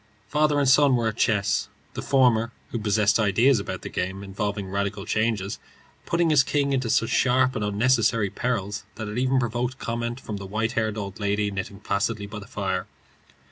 Father and son were at chess, the former, who possessed ideas about the game involving radical changes, putting his king into such sharp and unnecessary perils that it even provoked comment from the white haired old lady knitting placidly by the fire.